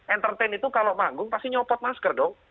entertain itu kalau manggung pasti nyopot masker dong